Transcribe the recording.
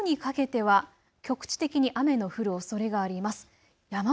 ただ午後にかけては局地的に雨の降るおそれがあります。